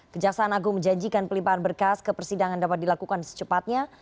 kejaksaan agung menjanjikan pelimpahan berkas ke persidangan dapat dilakukan secepatnya